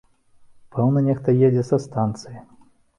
Пэўна, нехта едзе са станцыі.